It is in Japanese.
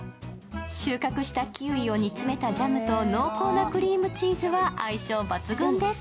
収穫したキウイを煮詰めたジャムと濃厚なクリームチーズは相性抜群です。